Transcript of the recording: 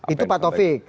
itu pak taufik